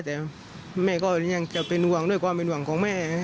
แต่แม่ก็ยังจะเป็นห่วงด้วยความเป็นห่วงของแม่